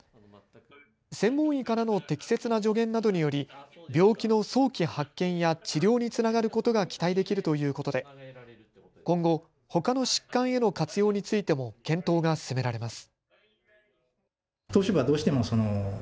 専門医からの適切な助言などにより病気の早期発見や治療につながることが期待できるということで今後、ほかの疾患への活用についても検討が進められます。